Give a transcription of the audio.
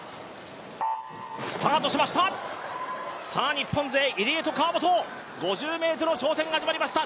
日本勢入江と川本、挑戦が始まりました。